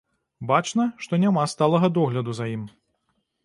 Бачна, што няма сталага догляду за ім.